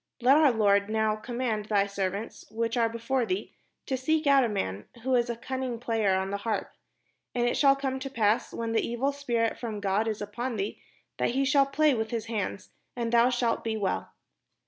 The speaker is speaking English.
Let our lord now command thy servants, which are be fore thee, to seek out a man, who is a cunning player on an harp: and it shall come to pass, when the evil spirit from God is upon thee, that he shall play with his hand, and thou shalt be well."